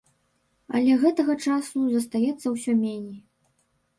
Але гэтага часу застаецца ўсё меней.